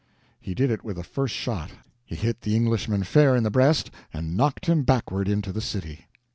He did it with the first shot. He hit the Englishman fair in the breast and knocked him backward into the city.